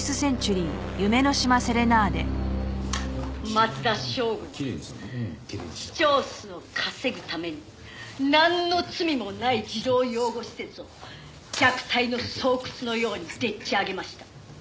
「松田省吾は視聴数を稼ぐためになんの罪もない児童養護施設を虐待の巣窟のようにでっち上げました」